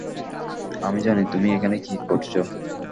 আমি জানি তুমি এখানে কী করছ।